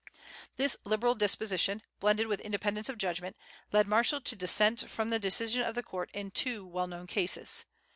This liberal disposition, blended with independence of judgment, led Marshall to dissent from the decision of the court in two well known cases.